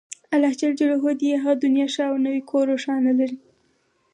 الله ﷻ دې يې هغه دنيا ښه او نوی کور روښانه لري